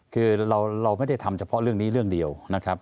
คือเราไม่ได้ทำเฉพาะเรื่องนี้เรื่องเดียวนะครับ